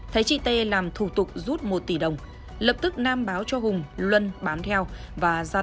thấy chị tê làm thủ tục rút một tỷ đồng lập tức nam báo cho hùng luân bám theo và ra